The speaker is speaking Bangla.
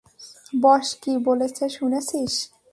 বস কী বলেছে শুনেছিস?